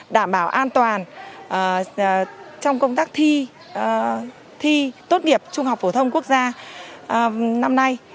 đảm bảo an toàn trong công tác thi tốt nghiệp trung học phổ thông quốc gia năm nay